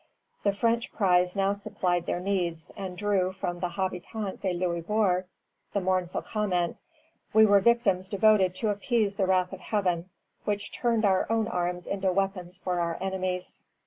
The French prize now supplied their needs, and drew from the Habitant de Louisbourg the mournful comment, "We were victims devoted to appease the wrath of Heaven, which turned our own arms into weapons for our enemies."